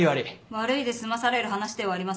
悪いで済まされる話ではありません。